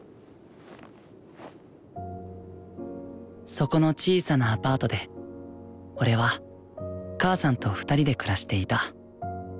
そこの小さなアパートで俺は母さんと２人で暮らしていた。